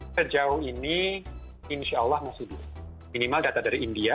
sejauh ini insya allah masih bisa minimal data dari india